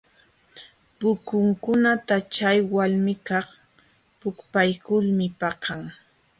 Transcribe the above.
Pukunkunata chay walmikaq pukpaykulmi paqan.